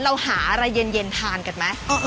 เราหารายเย็นทานกันมั้ย